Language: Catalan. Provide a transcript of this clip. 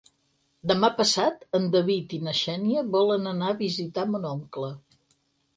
Demà passat en David i na Xènia volen anar a visitar mon oncle.